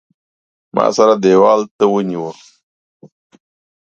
ما سره دېوال ته ونیو.